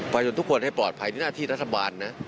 จนทุกคนให้ปลอดภัยในหน้าที่รัฐบาลนะ